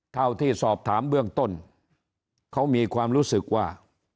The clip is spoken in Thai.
เท่าที่สอบถามเบื้องต้นเขามีความรู้สึกว่า